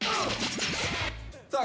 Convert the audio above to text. さあ